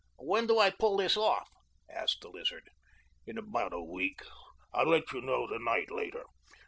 "When do I pull this off?" asked the Lizard. "In about a week. I'll let you know the night later.